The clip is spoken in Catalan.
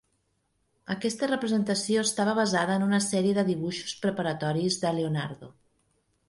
Aquesta representació estava basada en una sèrie de dibuixos preparatoris de Leonardo.